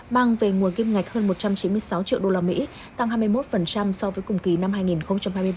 mang về nguồn kim ngạch hơn một trăm chín mươi sáu triệu usd tăng hai mươi một so với cùng kỳ năm hai nghìn hai mươi ba